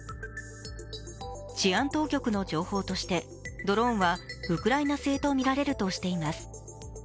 治安当局の情報として、ドローンはウクライナ製とみられるとしています。